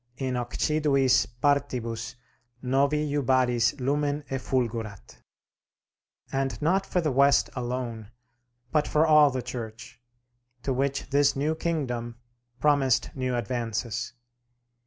"In occiduis partibus novi jubaris lumen effulgurat;" and not for the West alone, but for all the Church, to which this new kingdom promised new advances.